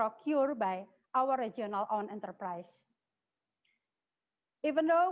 itulah alasan kenapa dari awal